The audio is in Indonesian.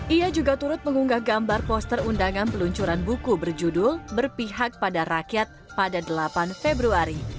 ia juga turut mengunggah gambar poster undangan peluncuran buku berjudul berpihak pada rakyat pada delapan februari